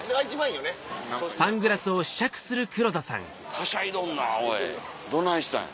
はしゃいどんなおいどないしたんや。